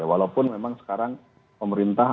walaupun memang sekarang pemerintah